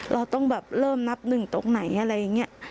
เราต้องแบบเริ่มนับหนึ่งตรงไหนอะไรอย่างนี้